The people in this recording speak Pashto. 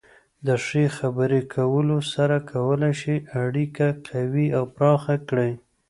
د ښې خبرې کولو سره کولی شئ اړیکه قوي او پراخه کړئ.